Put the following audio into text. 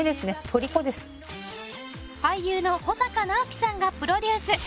俳優の保阪尚希さんがプロデュース